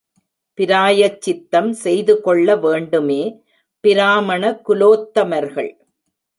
பிராயச்சித்தம் செய்து கொள்ள வேண்டுமே பிராமண குலோத்தமர்கள்!